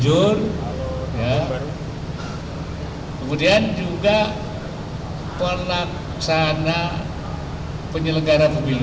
untuk tidak melakukan hal hal yang berbeda